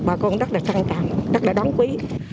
bà con rất là trăng tràng rất là đáng quý